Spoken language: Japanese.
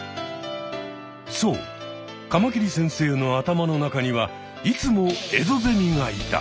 そうカマキリ先生の頭の中にはいつもエゾゼミがいた。